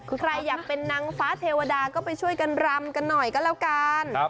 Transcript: คือใครอยากเป็นนางฟ้าเทวดาก็ไปช่วยกันรำกันหน่อยก็แล้วกัน